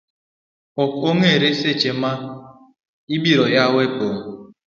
Ok ong’ere seche ma ibiroyawoe pong'